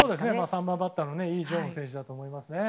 ３番バッターのイ・ジョンフ選手だと思います。